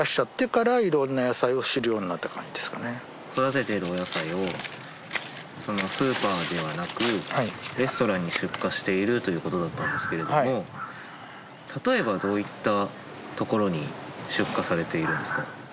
育てているお野菜をスーパーではなくレストランに出荷しているということだったんですけれども例えばどういったところに出荷されているんですか？